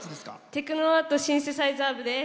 テクノアートシンセサイザー部です。